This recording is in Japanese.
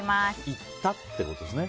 行ったってことですね。